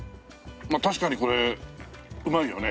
確かにこれうまいよね。